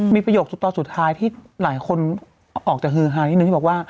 มีประโยคสุดท้ายที่หลายคนออกจากฮือฮานิดนึงที่บอกว่า